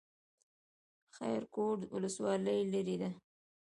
خیرکوټ ولسوالۍ لیرې ده؟